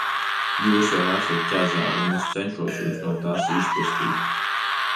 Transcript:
Jūs jau esat ķezā, un es cenšos Jūs no tās izpestīt.